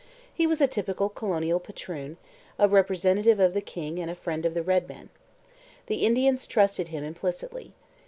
He was a typical colonial patroon, a representative of the king and a friend of the red man. The Indians trusted him implicitly.